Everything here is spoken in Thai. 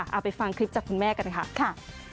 เอาไปฟังคลิปจากคุณแม่กันค่ะ